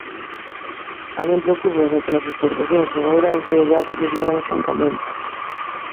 A min preocúpame que nas exportacións en Ourense os datos desvelen estancamento.